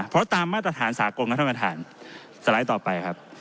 เพราะตามมาตรฐานสากลครับท่านประธานสไลด์ต่อไปครับ